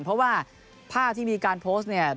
เพราะว่าภาพที่มีการโพสต์เนี่ย